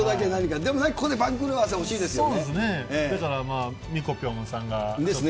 でもここで番狂わせ、欲しいですよね。